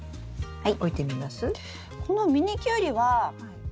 はい。